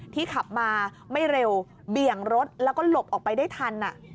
ขับมาไม่เร็วเบี่ยงรถแล้วก็หลบออกไปได้ทัน